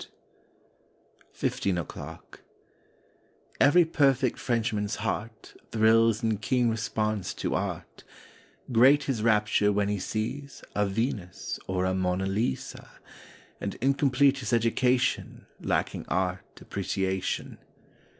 33 . I A FOURTEEN O'CLOCK 35 FIFTEEN O'CLOCK E very perfect Frenchman's heart Thrills in keen response to Art. Great his rapture when he sees a Venus or a Mona Lisa; And incomplete his education Lacking Art Appreciation.